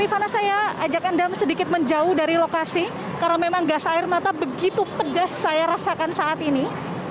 rifana saya ajak anda sedikit menjauh dari lokasi karena memang gas air mata begitu pedas saya rasakan saat ini